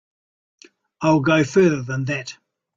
I'll go further than that.